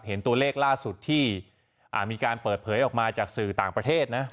เห็นตัวเลขล่าสุดที่มีการเปิดเผยออกมาจากสื่อต่างประเทศนะ